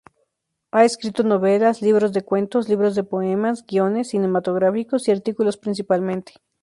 Ha escrito novelas, libros de cuentos, libros de poemas, guiones cinematográficos y artículos, principalmente.